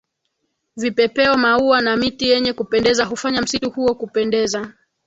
Vipepeo maua na miti yenye kupendeza hufanya msitu huo kupendeza